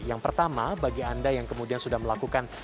yang pertama bagi anda yang kemudian sudah melakukan